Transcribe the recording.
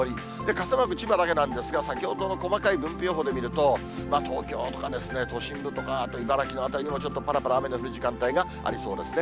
傘マーク、千葉だけなんですが、先ほどの細かい分布予報で見ると、東京都か、都心部とか、あと茨城の辺りにもちょっと、ぱらぱら雨の降る時間帯がありそうですね。